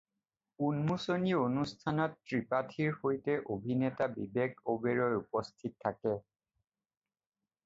উন্মোচনী অনুষ্ঠানত ত্ৰিপাঠীৰ সৈতে অভিনেতা বিবেক অ'বেৰয় উপস্থিত থাকে।